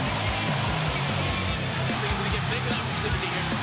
นั่นคือสิ่งที่เราต้องคิดว่ามันจะเป็นอะไรหรือเปล่า